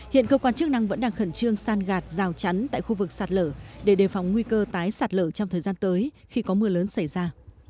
hiện cơ quan chức năng vẫn đang khẩn trương san gạt rào chắn tại khu vực sạt lở để đề phòng nguy cơ tái sạt lở trong thời gian tới khi có mưa lớn xảy ra